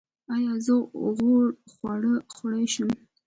ایا زه غوړ خواړه خوړلی شم؟